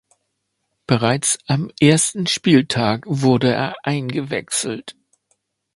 Bereits am ersten Spieltag wurde er eingewechselt.